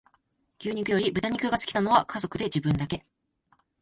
牛肉より豚肉が好きなのは家族で自分だけ